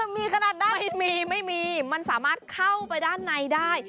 มีขนาดด้านมีไม่มีมันสามารถเข้าไปด้านในได้